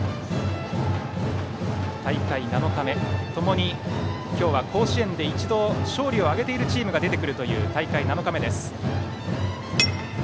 大会７日目、ともに今日は甲子園で一度勝利を挙げているチームが出てくるという大会７日目です。